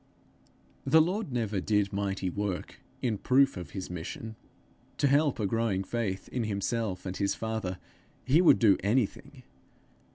The Lord never did mighty work in proof of his mission; to help a growing faith in himself and his father, he would do anything!